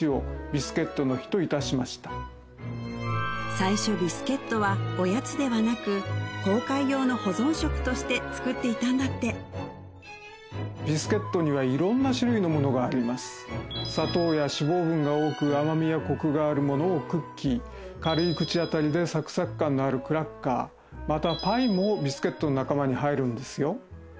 最初ビスケットはおやつではなく航海用の保存食として作っていたんだって砂糖や脂肪分が多く甘みやコクがあるものをクッキー軽い口当たりでサクサク感のあるクラッカーまたパイもビスケットの仲間に入るんですよ